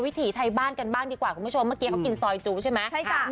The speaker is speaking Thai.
ถีไทยบ้านกันบ้างดีกว่าคุณผู้ชมเมื่อกี้เขากินซอยจุใช่ไหมใช่จ้ะ